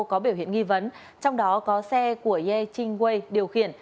có biểu hiện nghi vấn trong đó có xe của ye ching wei điều khiển